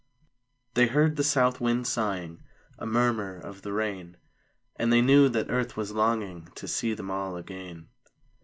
They heard the South wind sighing A murmur of the rain; And they knew that Earth was longing To see them all again.